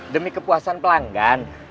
demi kepuasan pelanggan